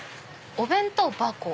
お弁当箱。